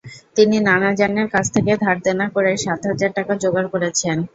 তিনি নানাজনের কাছ থেকে ধারদেনা করে সাত হাজার টাকা জোগাড় করেছেন।